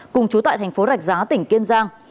cùng chú tại thành phố rạch giá tỉnh kiên giang